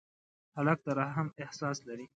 هلک د رحم احساس لري.